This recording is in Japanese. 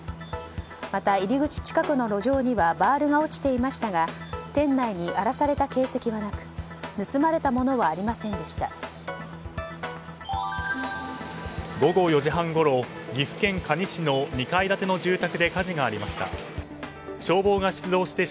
また、入り口近くの路上にはバールが落ちていましたが店内に荒らされた形跡はなく盗まれたものはありませんでした。